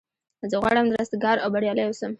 زه غواړم رستګار او بریالی اوسم.